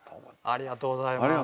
ありがとうございます。